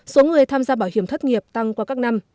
số người tham gia bảo hiểm thất nghiệp tăng qua các năm